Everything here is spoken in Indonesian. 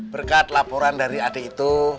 berkat laporan dari adik itu